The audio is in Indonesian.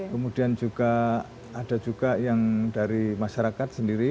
kemudian juga ada juga yang dari masyarakat sendiri